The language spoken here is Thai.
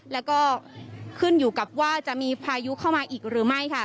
แล้วก็ขึ้นอยู่กับว่าจะมีพายุเข้ามาอีกหรือไม่ค่ะ